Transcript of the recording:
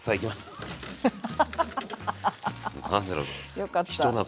よかった。